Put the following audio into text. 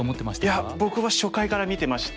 いや僕は初回から見てまして。